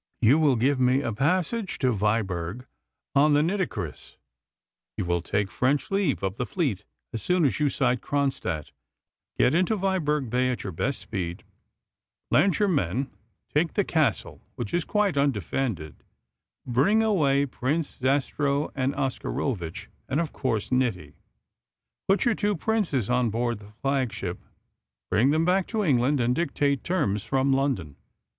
You will give me a passage to Viborg on the Nitocris. You will take French leave of the fleet as soon as you sight Kronstadt, get into Viborg Bay at your best speed, land your men, take the Castle, which is quite undefended, bring away Prince Zastrow and Oscarovitch, and, of course, Niti; put your two princes on board the flagship, bring them back to England, and dictate terms from London.